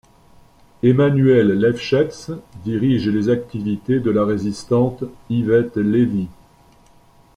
Emmanuel Lefschetz dirige les activités de la résistante Yvette Lévy.